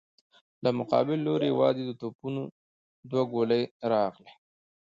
له مقابل لورې يواځې د توپونو دوې ګولۍ راغلې.